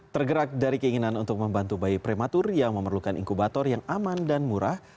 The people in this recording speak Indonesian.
tergerak dari keinginan untuk membantu bayi prematur yang memerlukan inkubator yang aman dan murah